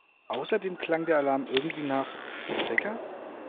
Außerdem klang der Alarm irgendwie nach … Wecker!